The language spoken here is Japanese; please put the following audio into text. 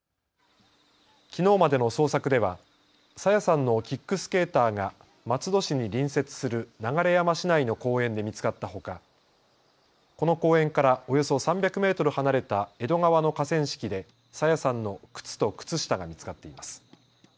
きのうまでの捜索では朝芽さんのキックスケーターが松戸市に隣接する流山市内の公園で見つかったほかこの公園からおよそ３００メートル離れた江戸川の河川敷で朝芽さんの靴と靴下が見つかっています。